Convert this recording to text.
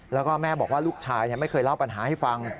แล้วก็แม่บอกว่าลูกชายไม่เคยเล่าปัญหาให้ฟัง